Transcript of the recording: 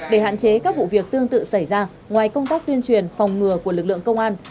để hạn chế các vụ việc tương tự xảy ra ngoài công tác tuyên truyền phòng ngừa của lực lượng công an